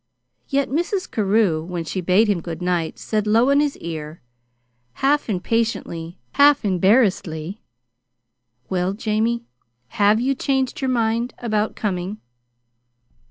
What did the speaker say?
Yet Mrs. Carew, when she bade him good night, said low in his ear, half impatiently, half embarrassedly: "Well, Jamie, have you changed your mind about coming?"